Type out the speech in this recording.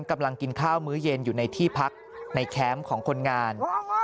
กำลังกินข้าวมื้อเย็นอยู่ในที่พักในแคมป์ของคนงาน